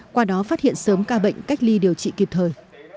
qua đó phát hiện sớm ca bệnh cách ly điều trị kịp thời